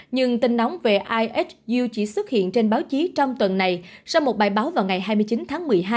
nhưng tin nóng về is you chỉ xuất hiện trên báo chí trong tuần này sau một bài báo vào ngày hai mươi chín tháng một mươi hai